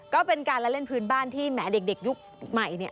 ก็เป็นการละเล่นพื้นบ้านที่แหมเด็กยุคใหม่เนี่ย